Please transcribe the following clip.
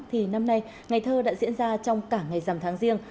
thì năm nay ngày thơ đã diễn ra trong cả ngày rằm tháng riêng